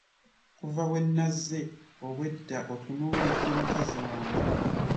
Kuva bwe naze obwe da otunuulidde mukazi wange.